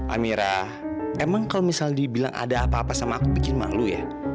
amira emang kalau misal dibilang ada apa apa sama aku bikin malu ya